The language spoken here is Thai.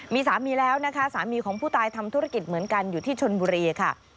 มีสามีแล้วนะคะสามีของผู้ตายทำธุรกิจเหมือนกันอยู่ที่ชนบุรีค่ะ